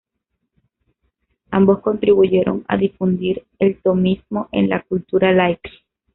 Ambos contribuyeron a difundir el tomismo en la cultura laica.